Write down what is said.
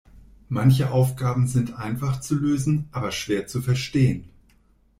Manche Aufgaben sind einfach zu lösen, aber schwer zu verstehen.